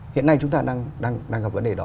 hiện nay chúng ta đang gặp vấn đề đó